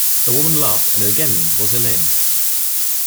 A woman laughed, and again it was Helene.